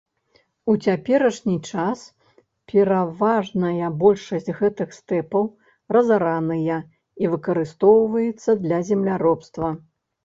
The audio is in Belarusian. У цяперашні час пераважная большасць гэтых стэпаў разараныя і выкарыстоўваецца для земляробства.